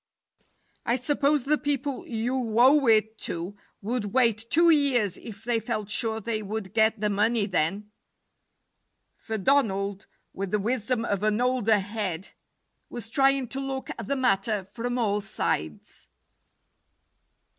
"I suppose the people you owe it to would wait two years if they felt sure they would get the money then for Donald, with the wisdom of an older head, was trying to look at the matter from all sides.